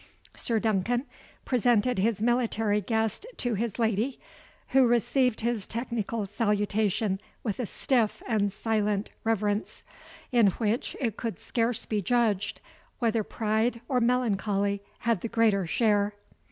Sir Duncan presented his military guest to his lady, who received his technical salutation with a stiff and silent reverence, in which it could scarce be judged whether pride or melancholy had the greater share.